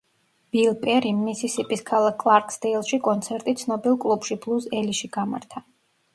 ბილ პერიმ მისისიპის ქალაქ კლარკსდეილში კონცერტი ცნობილ კლუბში ბლუზ ელიში გამართა.